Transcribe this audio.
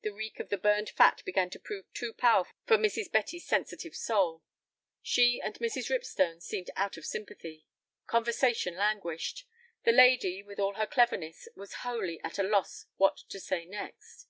The reek of the burned fat began to prove too powerful for Mrs. Betty's sensitive soul. She and Mrs. Ripstone seemed out of sympathy. Conversation languished. The lady, with all her cleverness, was wholly at a loss what to say next.